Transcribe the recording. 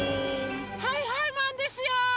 はいはいマンですよ！